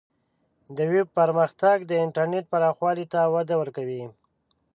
د ویب پرمختګ د انټرنیټ پراخوالی ته وده ورکوي.